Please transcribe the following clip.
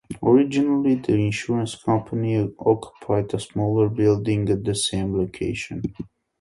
Originally the insurance company occupied a smaller building at the same location.